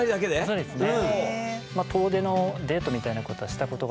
そうですね。